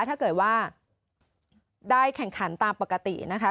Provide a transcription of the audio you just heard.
ถ้าเกิดว่าได้แข่งขันตามปกตินะคะ